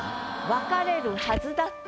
「別れるはずだった」。